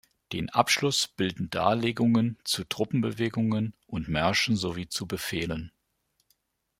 Den Abschluss bilden Darlegungen zu Truppenbewegungen und Märschen sowie zu Befehlen.